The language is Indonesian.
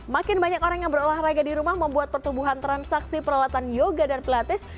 makin banyak orang yang berolahraga di rumah membuat pertumbuhan transaksi peralatan yoga dan pelatih